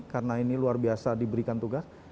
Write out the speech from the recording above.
karena ini luar biasa diberikan tugas